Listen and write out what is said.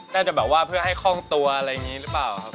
จะแบบว่าเพื่อให้คล่องตัวอะไรอย่างนี้หรือเปล่าครับ